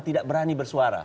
tidak berani bersuara